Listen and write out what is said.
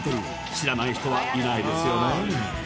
知らない人はいないですよね？